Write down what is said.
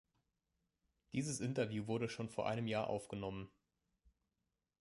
Dieses Interview wurde schon vor einem Jahr aufgenommen.